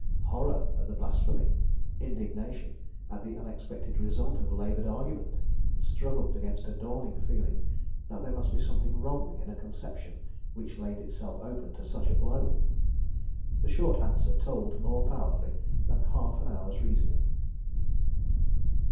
Horror at the blasphemy, indignation at the unexpected result of laboured argument, struggled against a dawning feeling that there must be something wrong in a conception which laid itself open to such a blow; the short answer told more powerfully than half an hour's reasoning.